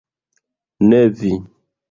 Ne vi!